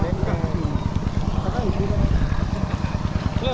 gak kaya sih